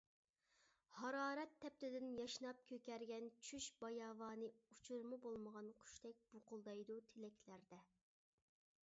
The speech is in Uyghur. ھارارەت تەپتىدىن ياشناپ كۆكەرگەن چۈش باياۋانى ئۇچۇرما بولمىغان قۇشتەك بۇقۇلدايدۇ تىلەكلەردە.